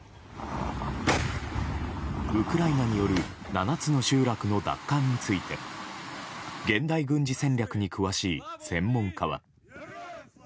ウクライナによる７つの集落の奪還について現代軍事戦略に詳しい専門家は。